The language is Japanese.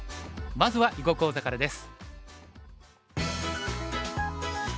まずは囲碁講座からです。